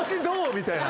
みたいな。